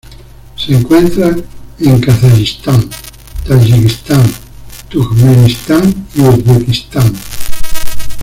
Se encuentran en Kazajistán, Tayikistán, Turkmenistán y Uzbekistán.